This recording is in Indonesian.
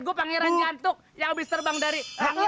gue pangeran nyantuk yang habis terbang dari